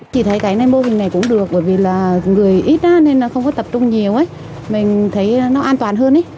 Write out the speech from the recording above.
thì thấy cái này mô hình này cũng được bởi vì là người ít nên không có tập trung nhiều mình thấy nó an toàn hơn